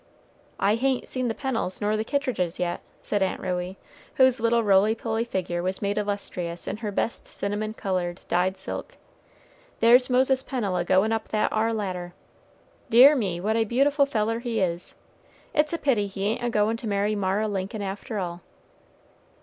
"I hain't seen the Pennels nor the Kittridges yet," said Aunt Ruey, whose little roly poly figure was made illustrious in her best cinnamon colored dyed silk. "There's Moses Pennel a goin' up that ar ladder. Dear me, what a beautiful feller he is! it's a pity he ain't a goin' to marry Mara Lincoln, after all."